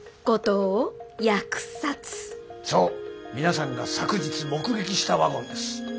そう皆さんが昨日目撃したワゴンです。